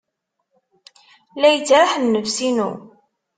La yettraḥ nnefs-inu.